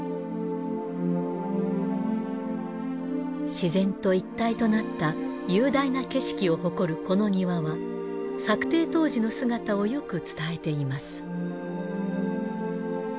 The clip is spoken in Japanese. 自然と一体となった雄大な景色を誇るこの庭は作庭当時の姿をよく伝えています。